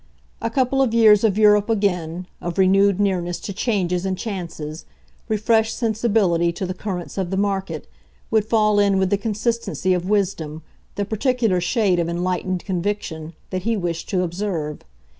A couple of years of Europe again, of renewed nearness to changes and chances, refreshed sensibility to the currents of the market, would fall in with the consistency of wisdom, the particular shade of enlightened conviction, that he wished to observe.